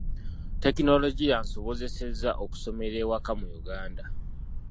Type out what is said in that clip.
Tekinologiya ansobozesezza okusomera ewaka mu Uganda.